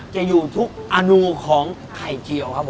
จะอยู่ทุกอนูของไข่เจียวครับผม